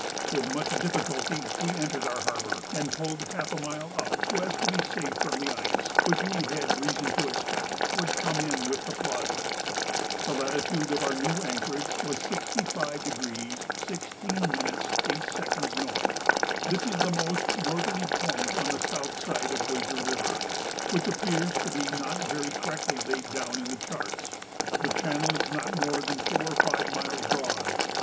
With much difficulty we entered our harbour, and pulled half a mile up, so as to be safe from the ice, which we had reason to expect would come in with the flood. The latitude of our new anchorage was 65° 16' 8" N. This is the most northerly point on the south side of Wager River, which appears to be not very correctly laid down in the charts. The channel is not more than four or five miles broad.